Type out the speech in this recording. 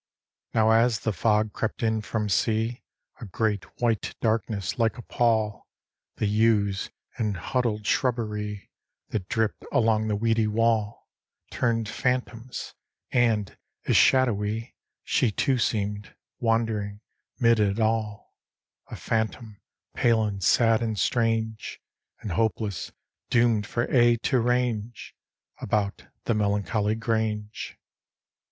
Now as the fog crept in from sea, A great white darkness, like a pall, The yews and huddled shrubbery, That dripped along the weedy wall, Turned phantoms; and as shadowy She too seemed, wandering 'mid it all A phantom, pale and sad and strange, And hopeless, doomed for aye to range About the melancholy grange.